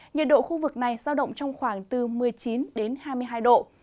nhiệt độ khu vực này giao động trong khoảng từ một mươi chín đến hai mươi hai độ